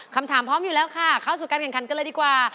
คำถามพร้อมอยู่แล้วค่ะเข้าสู่การแข่งขันกันเลยดีกว่า